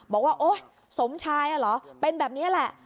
บอกว่าโอ๊ยสมชายเหรอเป็นแบบนี้แหละ